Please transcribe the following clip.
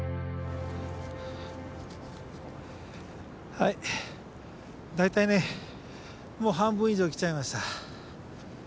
はい大体ねもう半分以上来ちゃいました。